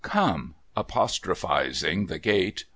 Come !' apostrophising the gate.